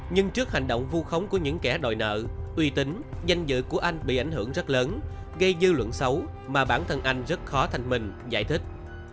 nhưng trước hành động vu khống của những kẻ đòi nợ uy tín danh dự của anh bị ảnh hưởng rất lớn gây dư luận xấu mà bản thân anh rất khó thanh mình giải thích